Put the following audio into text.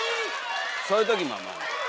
そういうときもまあまあ。